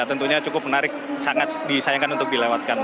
tentunya cukup menarik sangat disayangkan untuk dilewatkan